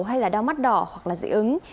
hay là đau mắt đỏ hoặc dị ứng